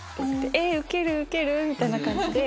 「受ける受ける」みたいな感じで。